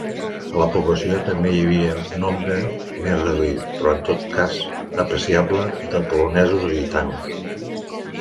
A la població, també hi havia un nombre més reduït, però en tot cas apreciable, de polonesos i gitanos.